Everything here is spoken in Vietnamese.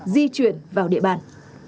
di chuyển vào địa bàn